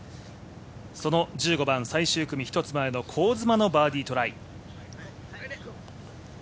その１５番、最終組１つ前の香妻のバーディートライ。